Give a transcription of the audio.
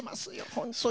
本当に。